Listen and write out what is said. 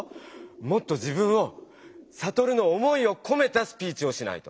もっと自分をサトルの思いをこめたスピーチをしないと！